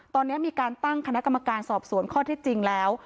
ตอนนี้มีการตั้งคณะกรรมการสอบสวนข้อเท็จจริงแล้ว